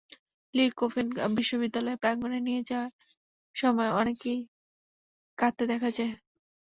লির কফিন বিশ্ববিদ্যালয় প্রাঙ্গণে নিয়ে যাওয়ার সময় অনেককেই কাঁদতে দেখা যায়।